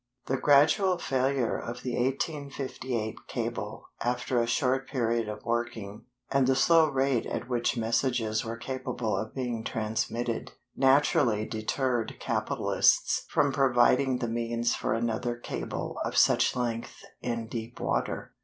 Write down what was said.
The gradual failure of the 1858 cable after a short period of working, and the slow rate at which messages were capable of being transmitted, naturally deterred capitalists from providing the means for another cable of such length in deep water.